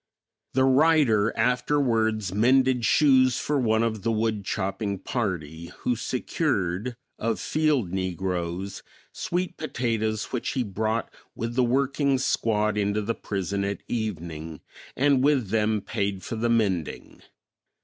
The writer afterwards mended shoes for one of the wood chopping party who secured, of field negroes, sweet potatoes which he brought with the working squad into the prison at evening, and with them paid for the mending.